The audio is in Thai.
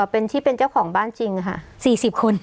อ่อเป็นที่เป็นเจ้าของบ้านจริงค่ะสี่สิบคน